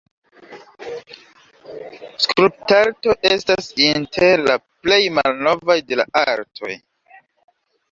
Skulptarto estas inter la plej malnovaj de la artoj.